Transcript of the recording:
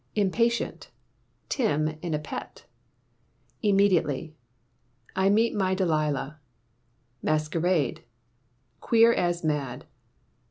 Impatient...............Tim in a pet. Immediately.............I met my Delia. Masquerade .............Queer as mad.